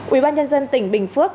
ủy ban nhân dân tỉnh bình phước